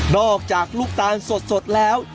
อกจากลูกตาลสดแล้ว